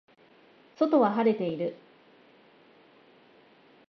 外は晴れている